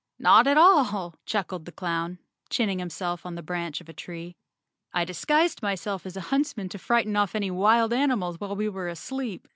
"Not at all," chuckled the clown, chinning himself on the branch of a tree. "I disguised myself as a huntsman to frighten off any wild animals while we were asleep.